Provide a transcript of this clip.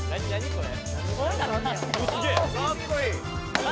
これ。